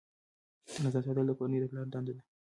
نظم ساتل د کورنۍ د پلار دنده ده.